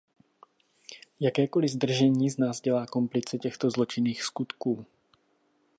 Jakékoliv zdržení z nás dělá komplice těchto zločinných skutků.